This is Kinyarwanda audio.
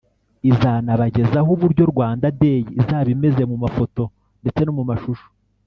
izanabagezaho uburyo Rwanda Day izaba imeze mu mafoto ndetse no mu mashusho